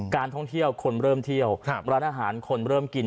การท่องเที่ยวคนเริ่มเที่ยวร้านอาหารคนเริ่มกิน